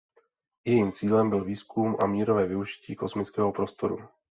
Jejím cílem byl výzkum a mírové využití kosmického prostoru.